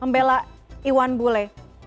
membelak iwan bule